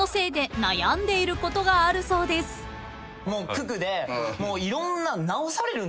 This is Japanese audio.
九九でいろんなの。